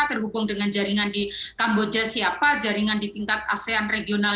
terhubung dengan jaringan di kamboja siapa jaringan di tingkat asean regional